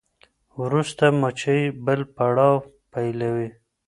وروسته مچۍ بل پړاو پیلوي.